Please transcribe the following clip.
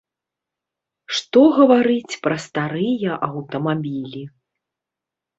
Што гаварыць пра старыя аўтамабілі.